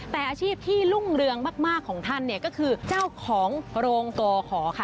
แต่อาชีพที่รุ่งเรืองมากของท่านเนี่ยก็คือเจ้าของโรงกอขอค่ะ